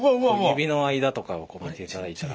指の間とかを見ていただいたら。